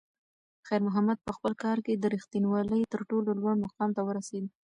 خیر محمد په خپل کار کې د رښتونولۍ تر ټولو لوړ مقام ته ورسېد.